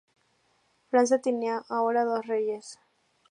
Francia tenía ahora dos reyes.